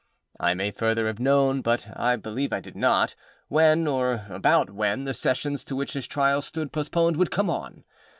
I may further have known, but I believe I did not, when, or about when, the Sessions to which his trial stood postponed would come on.